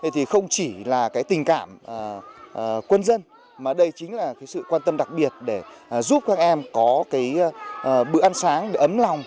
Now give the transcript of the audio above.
thì không chỉ là cái tình cảm quân dân mà đây chính là sự quan tâm đặc biệt để giúp các em có bữa ăn sáng ấm lòng